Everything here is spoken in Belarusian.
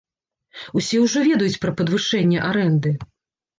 Усе ўжо ведаюць пра падвышэнне арэнды.